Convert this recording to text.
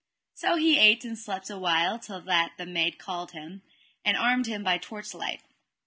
So he ate and slept a while till that the maid called him, and armed him by torchlight.